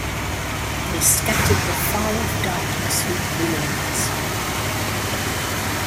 They scattered the far-off darkness with brilliance.